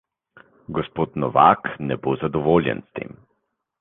Gospod Novak ne bo zadovoljen s tem.